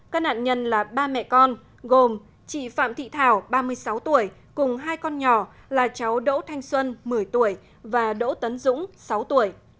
các nạn nhân là ba mẹ con gồm chị phạm thị thảo ba mươi sáu tuổi cùng hai con nhỏ là cháu đỗ thanh xuân một mươi tuổi và đỗ tấn dũng sáu tuổi